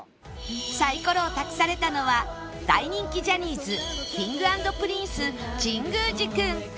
サイコロを託されたのは大人気ジャニーズ Ｋｉｎｇ＆Ｐｒｉｎｃｅ 神宮寺君